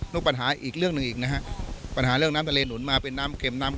ปัญหาอีกเรื่องหนึ่งอีกนะฮะปัญหาเรื่องน้ำทะเลหนุนมาเป็นน้ำเข็มน้ำ